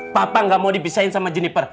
papa gak mau dibisahin sama jeniper